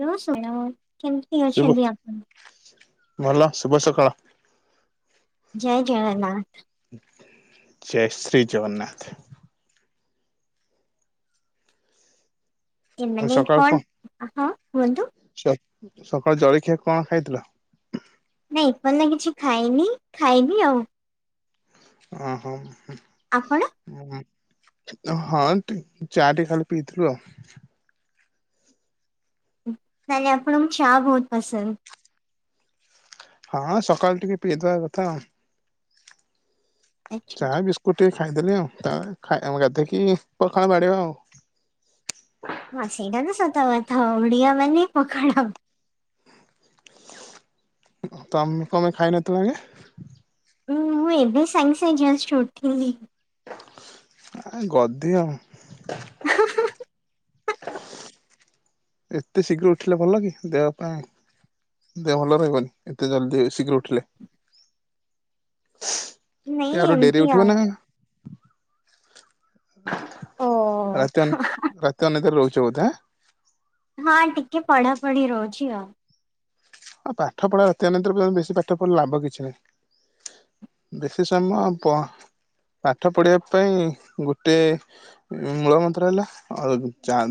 ର ଶୁଣ କେମିତି ଶୁଭ ଅଛନ୍ତି ଆପଣ? ଭଲ ଶୁଭ ସକାଳ। ଜୟ ଜଗନାଥ। ଜୟ ଶ୍ରୀ ଜଗନ୍ନାଥ। ଏ ଆଉ ମନ ସକାଳୁ କଣ ହଁ କୁହନ୍ତୁ। ସକାଳୁ ଜଳଖିଆ କଣ ହେଇଥିଲା? ନାଇଁ କ ନା କିଛି ଖାଇନି ଖାଇନି ଆଉ। ଓହୋ। ଆପଣ ହଁ ହଁ ଚା ଟିକେ ଖାଲି ପିଇଥିଲୁ ଆଉ। ତାହେଲେ ଆପଣଙ୍କୁ ଚା ବୋହୁତ ପସନ୍ଦ? ହଁ ସକାଳୁ ଟିକେ ପିଇଦବା କଥା ଆଉ। ଚା ଆଚ୍ଛା ବିସ୍କୁଟ ଖାଇଦେଲେ ଆଉ ଗାଧେଇକି ପଖାଳ ବା [unintelligible] ଆଉ। ହଁ ସେଇଟା ତ ସତଥ ଓଡ଼ିଆ ମାନେ ପଖାଳ। ତମେ କଣ ପାଇଁ ଖାଇନଥିଲ? ହଁ ମୁଁ ଏବେ ସାଙ୍ଗ ସାଙ୍ଗ ଜଷ୍ଟ୍ ଉଠିଲି। ଗଧ [inaudible] ଏତେ ଶୀଘର ଉଠିଲେ ଭଲ କି ଦେହ ପାଇଁ। ଦେହ ଭଲ ରହିବନି, ଏତେ ଜଲ୍ଦି ଶିକିରି ଉଠିଲେ। ନ ଟିକେ ଆଉ ଟିକେ ଡେରି ଏମିତି ଉଠିବ ଆଉ। ନା ଓ ରାତି ଅନ ରାତି ଅନିଦ୍ରା ରହୁଚ ନାଁ। ହଁ ଟିକେ ପଢା ପଢି ରହୁଛି ଆଉ। ଆଉ ପାଠ ପଢା ରାନ ପର୍ନ୍ତ ବେଶୀ ପାଠ ପଢିଲା ଲାଭ କିଛି ନାହିଁ। ବେଶୀ ସମୟ ପାଠ ପଢିବା ପାଇଁ ଗୋଟେ ମୂଳ ମନ୍ତ୍ର ହେଲା ଆଉ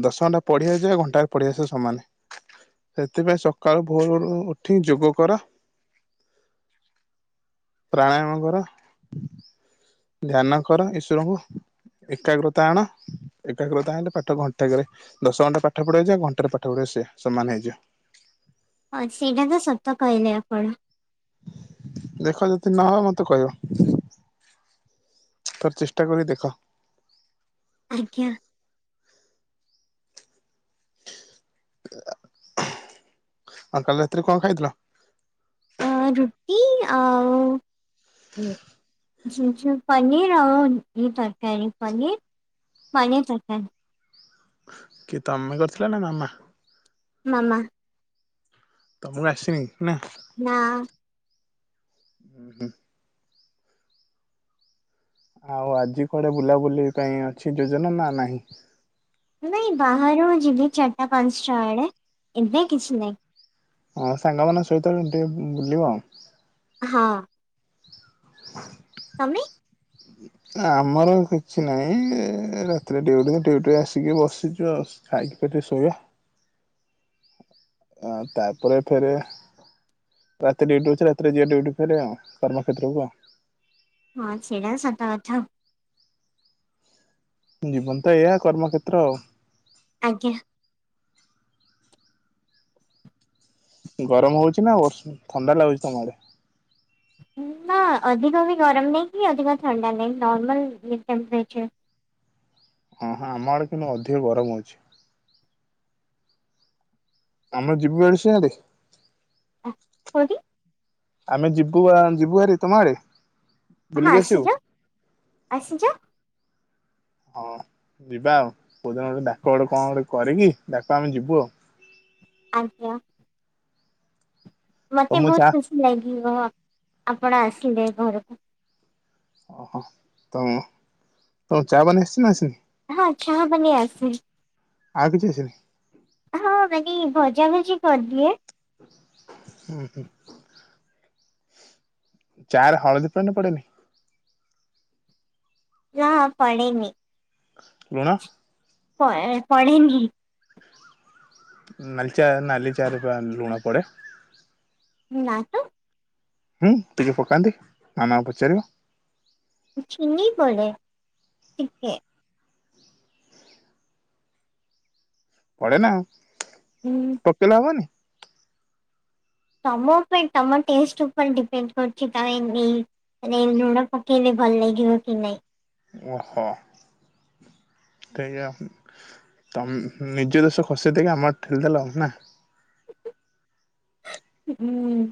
ଦଶ ଘଣ୍ଟା ପଢି ଆସିବ ଘଣ୍ଟ ପଢି ଆସିବ ସମାନ। ସେଥିପାଇଁ ସକାଳୁ ଭୋର ଉଠି ଯୋଗ କର। ପ୍ରାଣାୟାମ କର। ଧ୍ୟାନ କର ଈଶ୍ୱରଙ୍କୁ। ଏକାଗ୍ରତା ଆଣ ଏକାଗ୍ରତା ଆଣିଲେ ପାଟ ଘଣ୍ଟାରେ ଦଶ ଘଣ୍ଟାରେ ପାଠ ପଢିବ ଯ ଘଣ୍ଟାରେ ପାଠ ପଢିବ ସେ ସମାନ ହେଇଯିବ। ହଁ ସେଇଟା ତ ସତ କହିଲେ ଆପଣ। ଦେଖ ଯଦି ନହେ ମତେ କହିବ। ତାର ଚେଷ୍ଟା କରି ଦେଖ। ଆଜ୍ଞା। ହ ଆ କାଲି ରାତିରେ କଣ ଖାଇଥିଲ? ରୁଟି ଆଉ ଝସୁ ପର ଆଉ ଏହି ତରକାରୀ ପର ମାନେ ପଥା କି ତମେ କରିଥିଲ ନା ମାମା ମାମା। ତମକୁ ଆସିନି ନା ନାଁ। ହୁଁ ହୁଁ। ଆଉ ଆଜି କୁଆଡେ ବୁଲାବୁଲି ପାଇଁ ଅଛି ଯୋଜନା ନା ନାହିଁ। ନାଇଁ ବାହାରୁ ଯିବି ଚାରିଟା ପାଞ୍ଚଟା ବଡେ ଏବେ କିଛି ନାହିଁ। ହଁ ସାଙ୍ଗମାନଙ୍କ ସହିତ ଟିକେ ବୁଲିବ ଆଉ ହଁ। ସାମି। ଆମର କିଛି ନାହିଁ ରାତିରେ ଉଟି ଉଟି ଆସିକି ବସିଛୁ ଆଉ। ଖାଇକିପ ଶୋଇୟା। ତାପରେ ଫେରେ ରାତି ଡିଟି ଅଛି ରାତିରେ ଯି ଡିଉଟି ଫ ଆଉ କର୍ମକ୍ଷେତ୍ରକୁଉ ହଁ ସେଛଡ଼ା ସତା ଅଛ ଜୀବନ ତ ଏଇଆ କର୍ମକ୍ଷେତ୍ର ଆଉ ଆଜ୍ଞା। ଗରମ ହଉଛି ନା ବର୍ଷ ଥଣ୍ଡା ଲାଗୁଛି ତମ ଆଡ଼େ? ନା ଅଧିକ ବି ଗରମ ନାହିଁ କି ଅଧିକ ଥଣ୍ଡା ନାହିଁ ନର୍ମଲ ଟେମ୍ପରେଚର୍ ହଁ ହଁ ଆମ ଆଡେ କିନ୍ତୁ ଅଧିକ ଗରମ ଅଛି। ଆମର ଯିବ ଆଡ ସିଆଡେ ହ କିି ଆମେ ଯିବୁ ଯିବୁ ଆରେ ତମ ଆଡେ ହଁ ବୁଲିକି ଆସିବୁ ଆସିଯାଅ ଆସିଯାଅ ହ ଯିବା ଆଉ କୋଉଦିନ ଗୋଟେ ଡାକ ଗୋଟେ କଣ ଗୋଟେ କରିକି ଡାକ ଆମେ ଯିବୁ ଆଉ ଆଜ୍ଞା। ମତେ ତମକୁ ବହୁତ ଚା ଖୁସି ଲାଗିବ ଆପଣ ଆସିଲେ ଘରକୁ ଓହୋ ତ ତମ ଚା ବନେଇ ଆସିଛି ଆସିନି। ହଁ ଚାହା ବନେଇ ଆସେ। ଆଉ କିଛି ଆସିନି। ହଁ ମାନେ ଭଜା ଭଜି କରିଦିଏ। ହୁଁ ହୁଁ। ଚାରେ ହଳଦୀ ପଡେ ନା ପଡେନି। ନାଁ ପଡ଼େନି। ଲୁଣ ପ ପଡ଼େନି। ନାଲି ଚା ନାଲି ଚାରେ ପା ଲୁଣ ପଡେ। ନା ତ ହୁଁ ଟିକେ ପକାନ୍ତି ମାମା କୁ ପଚାରିବ। ଚିନି ପଡେ ଟିକେ ପଡେ ନା ହୁଁ ପକେଇଲେ ହବନି। ତମ ଉପରେ ତମ ଟେଷ୍ଟ ଉପରେ ଡିପେଣ୍ଡ କରୁଛି ତମେ [inaudible] ନାଇଁ ଲୁଣ ପକେଇଲେ ଭଲ ଲାଗିବ କି ନାହିଁ। ଓହୋ [unintelligible] ତ ନିଜ ଦୋଷ ଖସେଇ ଦେଇକି ଆମ ଆଡ଼େ ଠେଲିଦେଲ ନା? ହୁଁ।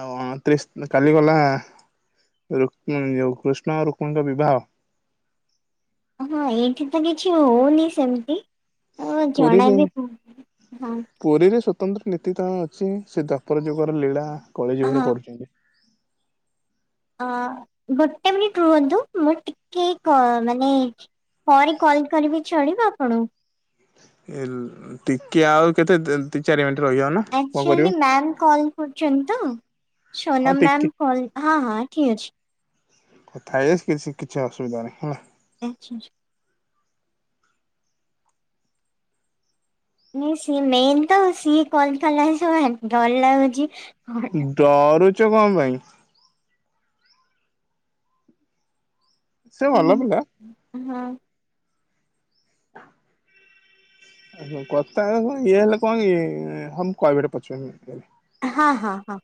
ଆଉ ଅଣତିରିଶ କାଲି ଗଲା ରୁକ୍ କୃଷ୍ଣ ରୁକ୍ମୀଣିଙ୍କ ବିବାହ। ହଁ ଏଇଠି ତ କିଛି ହଉନି ସେମିତି। ହ ଜଣା ପୁରୀରେ ବିି ହଁ। ପୁରୀରେ ସ୍ଵତନ୍ତ୍ର ନୀତି ତ ଅଛି ସେ ଦ୍ୱାପର ଯୁଗର ଲୀଳା କଳି ଯୁଗରେ ହଁ କରୁଛନ୍ତି। ଆ ଗୋଟେ ମିନିଟ୍ ରୁହନ୍ତୁ ମୁଁ ଟିକେ କ ମାନେ ପରେ କଲ କରିବି ଚଳିବ ଆପଣ ଟିକେ ଆଉ କେତେ ଦି ଚାରି ମିନିଟ୍ ରହିଯାଉନ। ଆକ୍ଚୁଆଲି ମ୍ୟାାମ କଲ୍ କରୁଛନ୍ତି ତ। ହଁ ସୋନମ ଟିକେ ମ୍ୟାମ୍ କ ହଁ ହଁ ଠିକ ଅଛି। କଥା ହେଇଜା କିଛି ଅସୁବିଧା ନାହିଁ ହେଲା। ଆଚ୍ଛା ଆଛା। ସିଏ ମେନ୍ ତ ସିଏ କଲ କଲା ସବୁ ଡର ଲାଗୁଛି। ହଁ ଡରୁଛ କଣ ପାଇଁ? ସେ ଭଲ ପିଲା। ହଁ। ଆ କଥା ଇଏ ହେଲେ କଣ କି ମ କହିଵି ପଛରେ। ହଁ ହଁ ହଁ।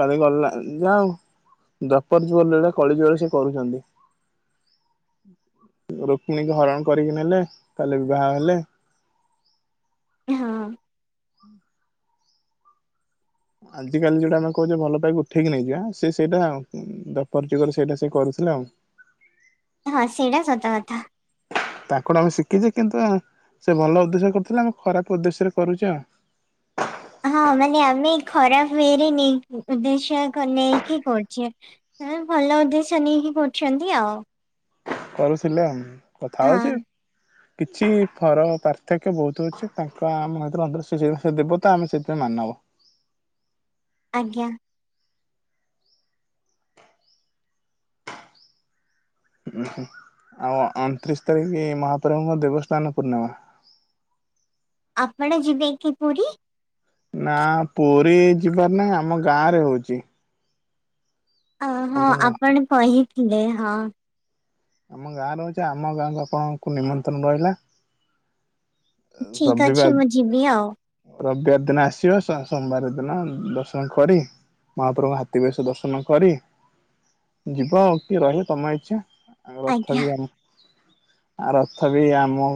ତାରେ ଗଲା ଯା ଆଉ ଦ୍ୱାପର ଯୁଗ ଲୀଳା କଳିଯୁଗରେ ସେ କରୁଛନ୍ତି। ରୁକ୍ମଣିଙ୍କୁ ହରଣ କରିକି ନେଲେ କାଲି ବିବାହ ହେଲେ। ହଁ। ଆଜିକାଲି ଯୋଉଟା ଆମେ କହୁଛେ ଭଲ ପାଇ ଉଠେଇକି ନେଇଯିବା ସେ ସେଇଟା ଦ୍ୱାପର ଯୁଗରେ ସେଇଟା ସେ କରୁଥିଲେ ଆଉ ହଁ ସେଇଟା ସତକଥା। ତାଙ୍କଠୁ ଆମେ ଶିଖିଛେ କିନ୍ତୁ ସେ ଭଲ ଉଦ୍ଦେଶ୍ୟ କରୁଥିଲେ ଆମେ ଖରାପ ଉଦ୍ଦେଶ୍ୟରେ କରୁଛେ ଆଉ ହଁ ମାନେ ଆମେ ଖରାପ ୱେରେ ନେଇ ଉଦ୍ଦେଶ୍ୟ ନେଇକି କରୁଛେ। ହ ଭଲ ଉଦ୍ଦେଶ୍ୟ ନେଇକି କରୁଛନ୍ତି ଆଉ କରିଥିଲେ ଆଉ କଥା ହଁ ହଉଛି। କିଛି ଫର ପାର୍ଥକ୍ୟ ବହୁତ ଅଛି ତାଙ୍କ ଆମ ଭରୁ ଅଶ ଦେବତା ଆମେ ସେଥିପାଇଁ ମାନବ। ଆଜ୍ଞା। ଆଉ ଅଣତିରିଶ ତାରିଖ ମହାପ୍ରଭୁଙ୍କ ଦେବସ୍ଥାନ ପୂର୍ଣ୍ଣିମା। ଆପଣ ଯିବେ କି ପୁରୀ? ନା ପୁରୀ ଯିବାର ନାହିଁ ଆମ ଗାଁରେ ହୋଉଛି। ଅହଁ ଆପଣ କହିଥିଲେ ହଁ। ଆମ ଗାଁରେ ହଉଛି ଆମ ଗାଁକୁ ଆପଣଙ୍କୁ ନିମନ୍ତ୍ରଣ ରହିଲା। ଠିକ ଅଛି ରବିବାର ମୁଁ ଯିବି ଆଉ। ରବିବାର ଦିନ ଆସିବ ସୋମବାର ଦିନ ଦର୍ଶନ କରି ମହାପ୍ରଭୁଙ୍କ ହାତୀ ବେଶ ଦର୍ଶନ କରି, ଯିବ ଆଉ କି ରହିବ ତମ ଇଚ୍ଛା। ଆଉ ରଥ ଆଜ୍ଞା ବି ଆମ ଆ ରଥ ବି ଆମ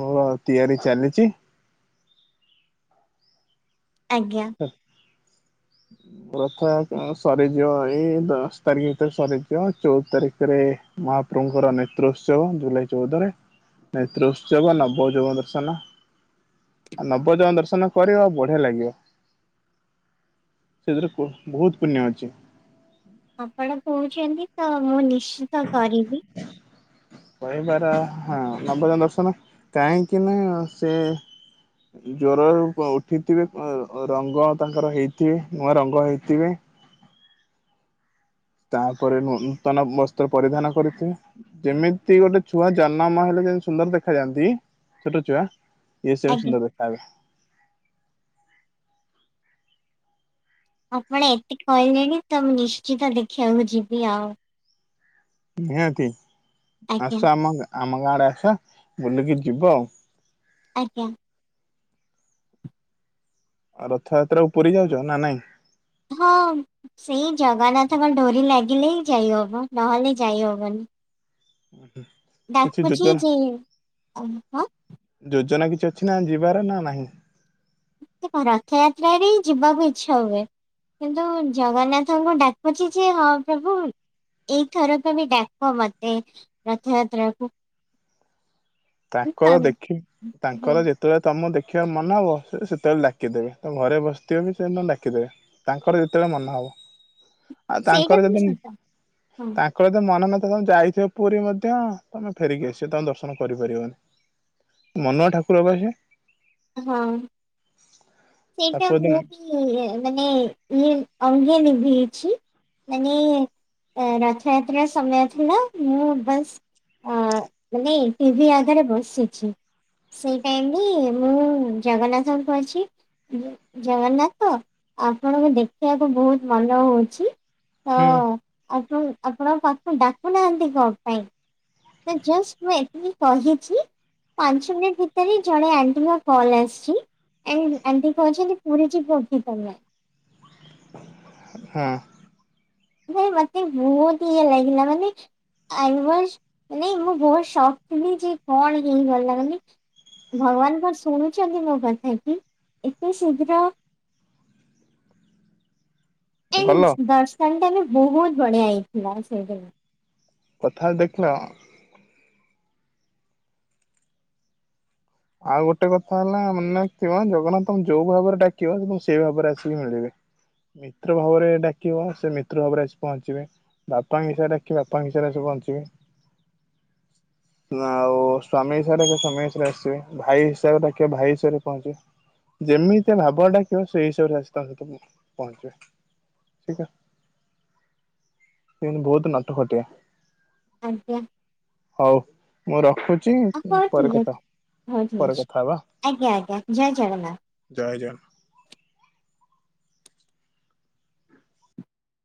ତିଆରି ଚାଲିଛି। ଆଜ୍ଞା। ହ ଁ [inaudible] ରଥ ସରିଯିବ ଏଇ ଦଶ ତାରିଖ ଭିତରେ ସରିଯିବ ଚଉଦ ତାରିଖରେ ମହାପ୍ରଭୁ ଙ୍କର ନେତ୍ରୋତ୍ସବ ଜୁଲାଇ ଚଉଦରେ। ନେତ୍ରୋତ୍ସୋଗ ନବ ଯୋଗ ଦର୍ଶନ। ଆଉ [unintelligible] ଦର୍ଶନ କରିବ ଆଉ ବଢିଆ ଲାଗିବ। ସେଥିରେ ବହୁତ ପୁଣ୍ୟ ଅଛି। ଆପଣ କହୁଛନ୍ତି ତ ମୁଁ ନିଶ୍ଚିତ କରିବି। କହିବାର ହଁ [unintelligible] ଦର୍ଶନ କାହିଁକି ନା ସେ ଜ୍ୱରରୁ ଉଠିଥିବେ ରଙ୍ଗ ତାଙ୍କର ହେଇଥିବେ ନୂଆ ରଙ୍ଗ ହେଇଥିବେ। ତାପରେ ନୂତନ ବସ୍ତ୍ର ପରିଧାନ କରିଥିବେ। ଯେମିତି ଗୋଟେ ଛୁଆ ଜନମ ହେଲେ ଯେମତି ସୁନ୍ଦର ଦେଖାଯାଆନ୍ତି ଛୋଟ ଛୁଆ। ଇଏ ସେମିତି ଆଜ୍ଞା। ସୁନ୍ଦର ଦେଖାହେବେ। ଆପଣ ଏତେ କହିଲେଣି ତ ମୁଁ ନିଶ୍ଚିତ ଦେଖିବାକୁ ଯିବି ଆଉ। ନିହାତି ଆଜ୍ଞା ଆସ ଆମ ଆମ ଗାଁ ଆଡେ ଆସ ବୁଲିକି ଯିବ ଆଉ। ଆଜ୍ଞା। ରଥଯାତ୍ରାକୁ ପୁରୀ ଯାଉଚ ନା ନାଇଁ। ହଁ ସେଇ ଜଗନ୍ନାଥଙ୍କ ଡୋରି ଲାଗିଲେ ହିଁ ଯାଇ ହବ ନହେଲେ ଯାଇହବନି। ଓ ହୁ। ଡାକୁଚି ଯେ [unintelligible] ଯୋଜନା କିଛି ଅଛି ନା ଯିବାର ନା ନାହିଁ? ରଥଯାତ୍ରାରେରେ ଯିବାକୁ ଇଛା ହୁଏ। କିନ୍ତୁ ଜଗନ୍ନାଥଙ୍କୁ ଡାକୁଛି ଯେ ହଁ ପ୍ରଭୁ ଏଇଥରକୁବି ଡାକ ମତେ ରଥଯାତ୍ରାକୁ। ତାଙ୍କର ଦେଖି ହଁ ତାଙ୍କର ଯେ ଯେତେବେଳେ ତମ ଦେଖିବା ମନ ହବ ସେ ସେତେବେଳେ ଡାକି ଦେବେ ତମ ଘରେ ବସିଥିବ ବି ସେ ଡାକିଦେବେ। ତାଙ୍କର ଯେତେବେଳେ ମନ ହବ। [inaudible] ଆଉ ତାଙ୍କର ବି ଯଦି ତାଙ୍କ ସତ ହଁ ତାଙ୍କର ଯଦି ମନ ନଥିବ ତମେ ଯାଇଥିବ ପୁରୀ ମଧ୍ୟ ତମେ ଫେରିକି ଆସିବ ତମେ ଦର୍ଶନ କରିପାରିବନି ମନୁଆ ଠାକୁର ବା ସିଏ। ହଁ। ସେଇଟା ତାକୁ ଯଦି ମୁଁ ବି ମାନେ ଇଏ ଅଙ୍ଗେ ନିଭେଇଛି। ମାନେ ରଥଯାତ୍ରା ସମୟ ଥିଲା ମୁଁ ବାସ୍ ଅ ମାନେ ଟିଭିି ଆଗରେ ବସିଛି। ସେଇ ଟାଇମରେ ମୁଁ ଜଗନ୍ନାଥଙ୍କୁ ଅଛି। ଜଗନ୍ନାଥ ଆପଣଙ୍କୁ ଦେଖିବାକୁ ବହୁତ ମନ ହଉଛି। ତ ହଁ। ଆପଣ ଆପଣଙ୍କ ପାଖକୁ ଡାକୁନାହାନ୍ତି କଣ ପାଇଁ? ତ ଜଷ୍ଟ ମୁଁ ଏତିକି କହିଛି ପାଞ୍ଚ ମିନିଟ୍ ଭିତରେ ଜଣେ ଆଣ୍ଟିକ କଲ୍ ଆସିଛି। ଆଣ୍ଡ ଆଣ୍ଟି କହୁଛନ୍ତି ପୁରୀ ଯିବ କି ତମେ। ହୁଁ। ନାଇ ମତେ ବହୁତ ଇଏ ଲାଗିଲା ମାନେ ଆଇ ମଷ୍ଟ ମାନେ ମୁଁ ବହୁତ ଶକ୍ ଥିଲି ଯେ କଣ ହେଇ ଗଲା ମାନେ ଭଗବାନ କଣ ଶୁଣୁଛନ୍ତି ମୋ କଥା କି ଏତେ ଶୀଘ୍ର ଗଲ [unintelligible] ଦର୍ଶନ ଟା ବି ବହୁତ ବଢିଆ ହେଇଥିଲା ସେଇଢ଼େ। କଥା ଦେଖିଲ। ଆଉ ଗୋଟେ କଥା ହେଲା ମନେ ରଖିଥିବ ଜଗନ୍ନାଥ ତମେ ଯୋଉ ଭାବରେ ଡାକିବ ତ ସେଇ ଭାବରେ ଆସିକି ମିଳିବେ। ମିତ୍ର ଭାବରେ ଡାକିବ ସେ ମିତ୍ର ଭାବରେ ଆସି ପହଞ୍ଚିବେ। ବାପାଙ୍କ ହିସାବରେ ଡ଼ାକିବ ବାପାଙ୍କ ହିସାବରେ ଆସି ପହଁଞ୍ଚିବେ। ଆଉ ସ୍ଵାମୀ ହିସାବରେ ହିସାବ ରେ ଡ଼ାକିବ ସ୍ୱାମୀ ହିସାବରେ ଆସିବେ। ଭାଇ ହିସାବରେ ଡାକିବ ଭାଇ ହିସାବରେ ପହଞ୍ଚିବ ଯେମିତିଆ ଭାବ ଡାକିବ ସେଇ ହିସାବରେ ଆସି ପହଁଚିବେ ସେତ ସେ ବହୁତ ନଟ ଖଟିଆ। ଆଜ୍ଞା। ହଉ ମୁଁ ରଖୁଛି ଆ ହଉ ପରେ କଟ [unintelligible] ଆଜ୍ଞା ଆଜ୍ଞା ଜୟ ଜଗନ୍ନାଥ। ଜୟ ଜଗନ୍ନ